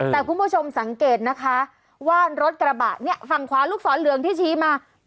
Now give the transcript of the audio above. แต่คุณผู้ชมสังเกตนะคะว่ารถกระบะเนี่ยฝั่งขวาลูกศรเหลืองที่ชี้มา